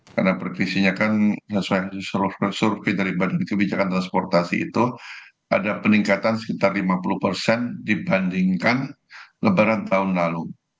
karena prediksinya kan sesuai dengan survei dari badan kebijakan transportasi itu ada peningkatan sekitar lima puluh dibandingkan lebaran tahun lalu